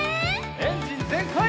エンジンぜんかい！